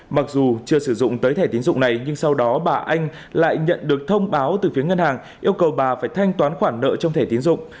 mặc dù chưa sử dụng tới thẻ tiến dụng này nhưng sau đó bà anh lại nhận được thông báo từ phía ngân hàng yêu cầu bà phải thanh toán khoản nợ trong thẻ tiến dụng